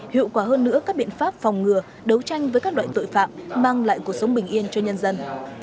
hiệu quả hơn nữa các biện pháp phòng ngừa đấu tranh với các loại tội phạm mang lại cuộc sống bình yên cho nhân dân